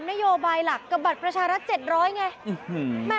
นโยบายหลักกับบัตรประชารัฐ๗๐๐ไง